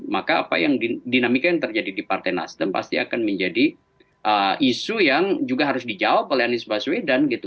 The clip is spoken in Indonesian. maka apa yang dinamika yang terjadi di partai nasdem pasti akan menjadi isu yang juga harus dijawab oleh anies baswedan gitu